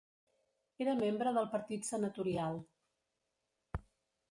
Era membre del partit senatorial.